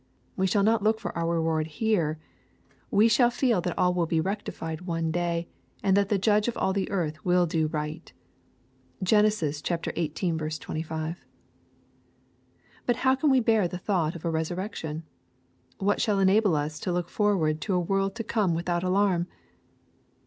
We shall not look for our reward here, We shall feel that all will be rectified one day, and that the Judge of all the earth will do right. (Gen. xviii. 25.) But how can we bear the thought of a resurrection ? What shall enable us to look forward to a world to come without alarm